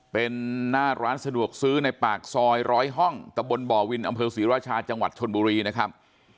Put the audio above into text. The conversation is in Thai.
เป็นหน้าร้านสะดวกซื้อในปากซอยร้อยห้องตะบนบ่อวินอำเภอศรีราชาจังหวัดชนบุรีนะครับ